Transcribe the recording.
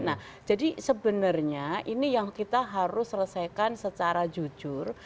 nah jadi sebenarnya ini yang kita harus selesaikan secara jujur